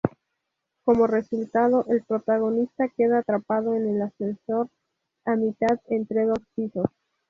Como resultado, el protagonista queda atrapado en el ascensor, a mitad entre dos pisos.